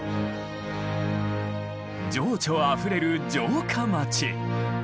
情緒あふれる城下町。